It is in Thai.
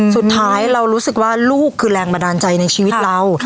สุดท้ายเรารู้สึกว่าลูกคือแรงบันดาลใจในชีวิตเรา